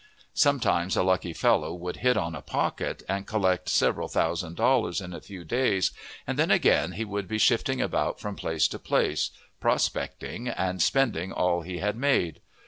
Sometimes a lucky fellow would hit on a "pocket," and collect several thousand dollars in a few days, and then again he would be shifting about from place to place, "prospecting," and spending all he had made.